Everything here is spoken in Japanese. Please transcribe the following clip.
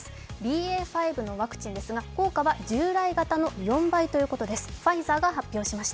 ＢＡ．５のワクチンですが効果は従来型の４倍ということです